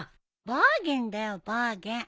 バーゲンだよバーゲン。